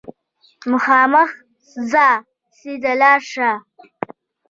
مخامخ ځه ، سیده ولاړ شه !